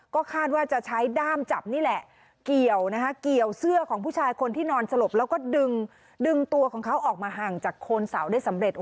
ก็คาดว่าจะใช้ด้ามจับนี่แหละเกี่ยวนะคะเกี่ยวเสื้อของผู้ชายคนที่นอนสลบแล้วก็ดึงตัวของเขาออกมาห่างจากโคนเสาได้สำเร็จ